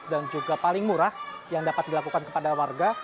dan juga paling murah yang dapat dilakukan kepada warga